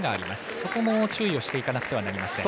そこも注意をしていかなくてはいけません。